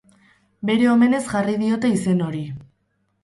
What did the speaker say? Bere omenez jarri diote izen hori.